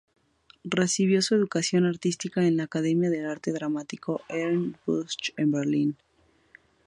Recibió su educación artística en la Academia de Arte Dramático Ernst Busch, en Berlín.